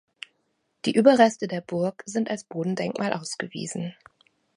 Die Überreste der Burg sind als Bodendenkmal ausgewiesen.